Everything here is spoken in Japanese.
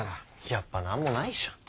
やっぱ何もないじゃん。